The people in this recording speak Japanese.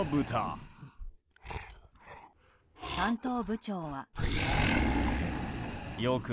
担当部長は。